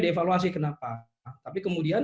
di evaluasi kenapa tapi kemudian